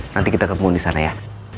nanti kita kebun disana ya